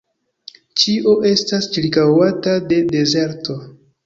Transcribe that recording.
Ĉio estas ĉirkaŭata de dezerto.